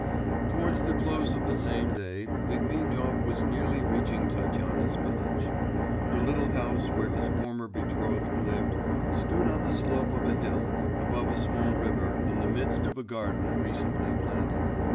Towards the close of the same day, Litvinov was nearly reaching Tatyana's village. The little house where his former betrothed lived stood on the slope of a hill, above a small river, in the midst of a garden recently planted.